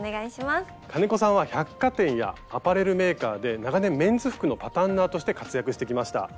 金子さんは百貨店やアパレルメーカーで長年メンズ服のパタンナーとして活躍してきました。